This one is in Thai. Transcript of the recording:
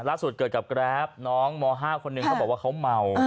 ล่าสุดเกิดกับแกรฟน้องม๕คนนึงเขาบอกว่าเขาเมา